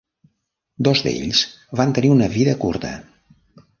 Dos d'ells van tenir una vida curta.